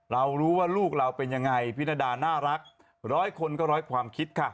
เรารู้ว่าลูกเราเป็นยังไงพินาดาน่ารักร้อยคนก็ร้อยความคิดค่ะ